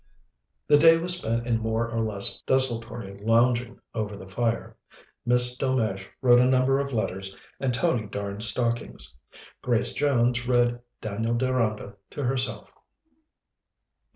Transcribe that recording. The day was spent in more or less desultory lounging over the fire. Miss Delmege wrote a number of letters and Tony darned stockings. Grace Jones read "Daniel Deronda" to herself.